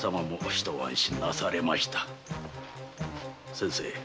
先生。